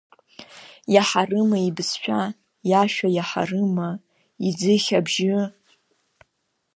Иаҳарыма ибызшәа, иашәа, иаҳарыма иӡыхь абжьы?